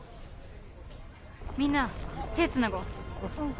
みんな手つなごううん